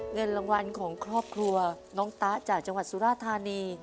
เงินรางวัลของครอบครัวน้องตะจากจังหวัดสุราธานี